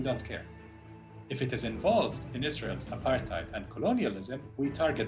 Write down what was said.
jika terlibat dalam perintah israel apartheid dan kolonialisme kami menarik perusahaan itu